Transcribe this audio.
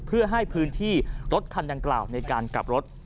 เพื่อให้พื้นที่รถคันดังกล่าวในการกลับรถ